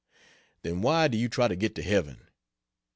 Then why do you try to get to Heaven?